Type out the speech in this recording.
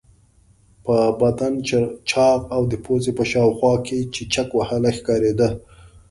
په بدن چاغ او د پوزې په شاوخوا کې چیچک وهلی ښکارېده.